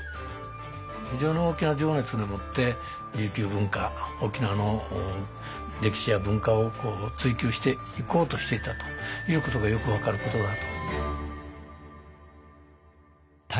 非常に大きな情熱でもって琉球文化沖縄の歴史や文化を追究していこうとしていたということがよく分かることだと。